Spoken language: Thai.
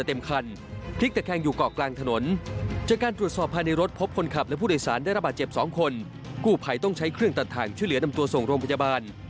ตัวส่งโรงพยาบาล